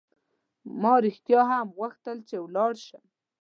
ما رښتیا هم غوښتل چې ولاړ شم.